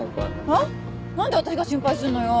は？何で私が心配すんのよ！